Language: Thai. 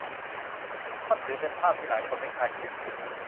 ก็ถือเป็นภาพที่หลายคนไม่คาดคิด